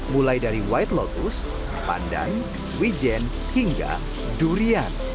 mulai dari white lotus pandan wijen hingga durian